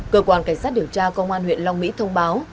cơ quan cảnh sát điều tra công an huyện long mỹ thông báo